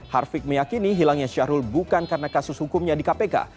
harfiq meyakini hilangnya syahrul bukan karena kasus hukumnya di kpk